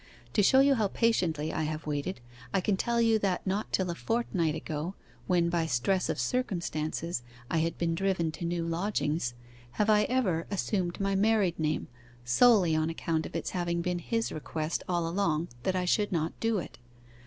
To show you how patiently I have waited I can tell you that not till a fortnight ago, when by stress of circumstances I had been driven to new lodgings, have I ever assumed my married name, solely on account of its having been his request all along that I should not do it.